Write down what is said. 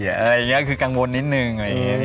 อย่างเงี้ยคือกังวลนิดหนึ่ง